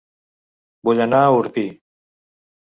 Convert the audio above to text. Vull anar a Orpí